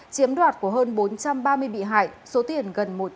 chiếm đoạt của hơn bốn trăm ba mươi bị hại số tiền gần một trăm hai mươi ba tỷ đồng